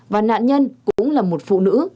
và nạn nhân cũng là một phụ nữ